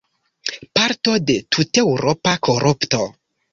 Parto de tuteŭropa korupto?